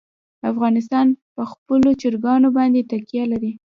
افغانستان په خپلو چرګانو باندې تکیه لري.